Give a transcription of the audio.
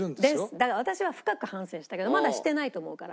だから私は深く反省したけどまだしてないと思うから。